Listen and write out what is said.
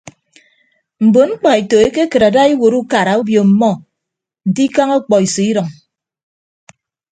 Mbon mkpaeto ekekịt ada iwuot ukara obio ọmmọ nte ikañ ọkpọiso idʌñ.